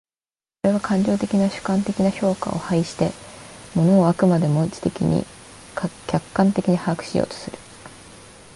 それは感情的な主観的な評価を排して、物を飽くまでも知的に客観的に把握しようとする。